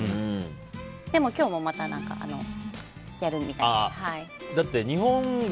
でも今日も、またやるみたいで。